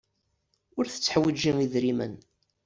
Ur tetteḥwiji idrimen.